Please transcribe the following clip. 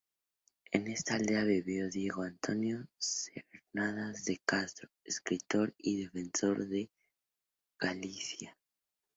En esta aldea vivió Diego Antonio Cernadas de Castro, escritor y defensor de Galicia.